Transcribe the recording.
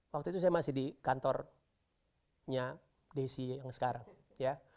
waktu itu saya masih di kantornya desi yang sekarang ya